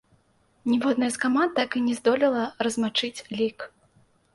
Ніводная з каманд так і не здолела размачыць лік.